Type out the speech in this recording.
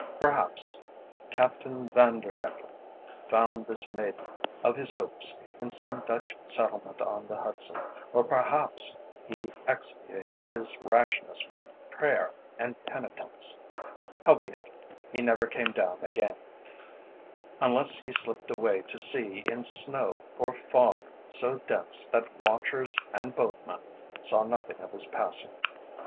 Perhaps Captain Vanderdecken found this maiden of his hopes in some Dutch settlement on the Hudson, or perhaps he expiated his rashness by prayer and penitence; howbeit, he never came down again, unless he slipped away to sea in snow or fog so dense that watchers and boatmen saw nothing of his passing.